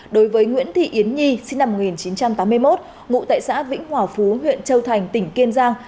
đối với nguyễn thị yến nhi sinh năm một nghìn chín trăm tám mươi một ngụ tại xã vĩnh hòa phú huyện châu thành tỉnh kiên giang